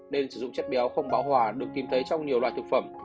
nên sử dụng chất béo không báo hòa được tìm thấy trong nhiều loại thực phẩm